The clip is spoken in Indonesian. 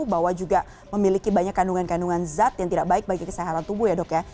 bahwa juga memiliki banyak kandungan kandungan zat yang tidak baik bagi kesehatan tubuh ya dok ya